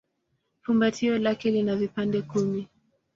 Fumbatio lake lina vipande kumi.